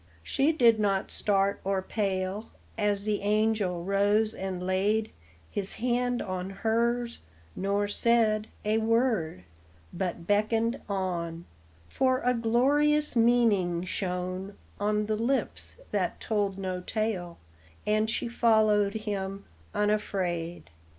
She did not start or pale As the angel rose and laid His hand on hers, nor said A word, hut beckoned on; For a glorious meaning shone On the lips that told no tale, And she followed him, unafraid.